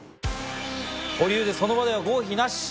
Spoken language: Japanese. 保留でその場では合否なし。